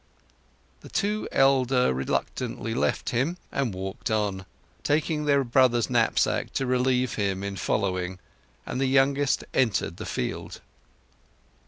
The two elder reluctantly left him and walked on, taking their brother's knapsack to relieve him in following, and the youngest entered the field.